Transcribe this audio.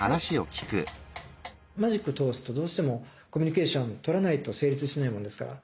マジック通すとどうしてもコミュニケーション取らないと成立しないものですから。